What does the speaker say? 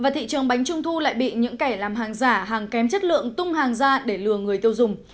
thị trường bánh trung thu lại bị những kẻ làm hàng giả hàng kém chất lượng tung hàng ra để lừa người tiêu dùng